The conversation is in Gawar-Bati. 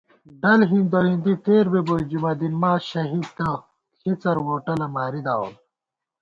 ڈل ہندو ہِندی تېر بِبُوئی جمعہ دین ما شہیدہ ݪِڅَر ووٹَلہ ماری داوون